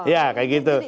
ya kayak gitu